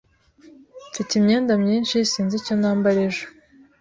Mfite imyenda myinshi sinzi icyo nambara ejo.